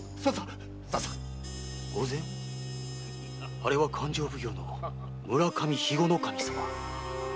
あれは勘定奉行の村上肥後守様